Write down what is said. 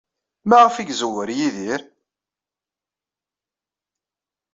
Maɣef ay izerrew Yidir?